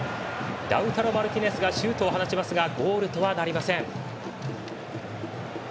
ラウタロ・マルティネスがシュートを放ちますがゴールとはなりません。